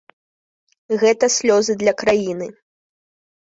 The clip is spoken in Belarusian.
Гэта слёзы для краіны.